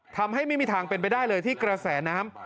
ทำให้ไม่มีทางเป็นไปได้เลยที่กระแสน้ำ